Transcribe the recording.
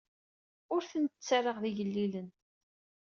Ur tent-ttarraɣ d igellilen.